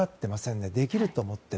できると思っている。